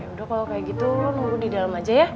udah kalau kayak gitu lo nunggu di dalam aja ya